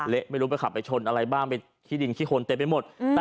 ไม่รู้ไปขับไปชนอะไรบ้างไปขี้ดินขี้คนเต็มไปหมด